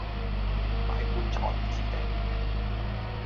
買棺材唔知埞